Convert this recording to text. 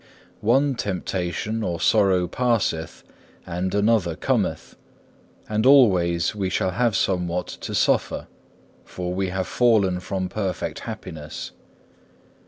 One temptation or sorrow passeth, and another cometh; and always we shall have somewhat to suffer, for we have fallen from perfect happiness.